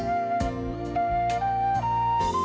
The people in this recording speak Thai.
บ๊ายบาย